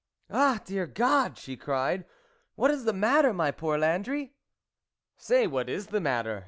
" Ah 1 dear God !" she cried, " what is the matter, my poor Landry ?"" Say, what is the matter